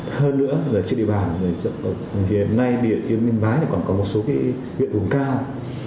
hơn nữa trên địa bàn hiện nay địa yên yên bái còn có một số viện vùng cao